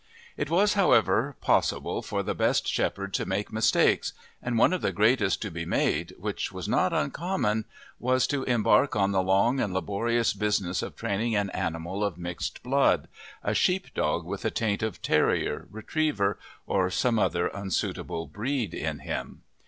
It was, however, possible for the best shepherd to make mistakes, and one of the greatest to be made, which was not uncommon, was to embark on the long and laborious business of training an animal of mixed blood a sheep dog with a taint of terrier, retriever, or some other unsuitable breed in him.